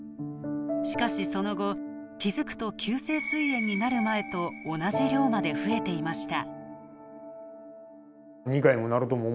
しかしその後気付くと急性すい炎になる前と同じ量まで増えていました。